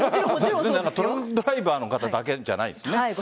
トラックドライバーの方だけじゃないですね。